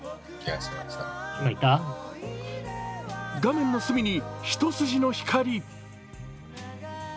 画面の隅に一筋の光。